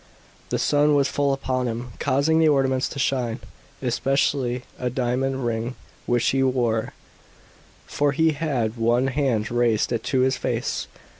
The sun was full upon him, causing the ornaments to shine, especially a diamond ring which he wore, for he had one hand raised to his face.